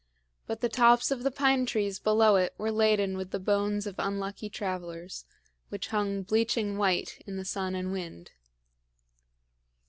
But the tops of the pine trees below it were laden with the bones of unlucky travelers, which hung bleaching white in the sun and wind.